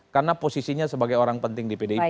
karena posisinya sebagai orang penting di pdip kan